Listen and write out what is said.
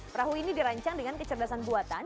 perahu ini dirancang dengan kecerdasan buatan